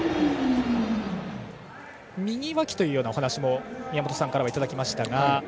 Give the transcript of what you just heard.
右わきというお話も宮本さんからはいただきましたが。